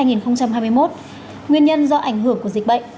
nguyên nhân do ảnh hưởng của dịch bệnh